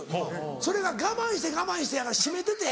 それが我慢して我慢して閉めてて。